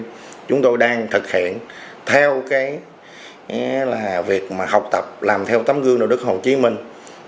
là lực lượng công an thực hiện theo việc học tập làm theo tấm gương đạo đức hồ chí minh